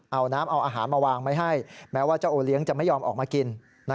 เอาน้ำเอาอาหารมาวางไว้ให้แม้ว่าเจ้าโอเลี้ยงจะไม่ยอมออกมากิน